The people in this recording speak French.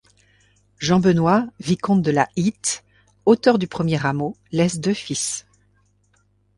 Jean-Benoit, vicomte de la Hitte, auteur du premier rameau, laisse deux fils.